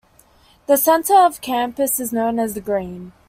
The center of campus is known as the Green.